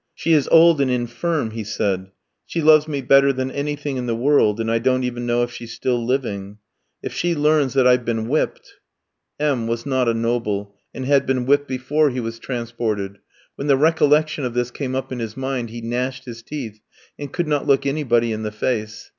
"She is old and infirm," he said; "she loves me better than anything in the world, and I don't even know if she's still living. If she learns that I've been whipped " M tski was not a noble, and had been whipped before he was transported. When the recollection of this came up in his mind he gnashed his teeth, and could not look anybody in the face.